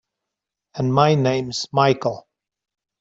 And my name's Michael.